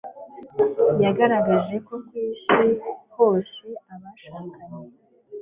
yagaragaje ko ku isi hose abashakanye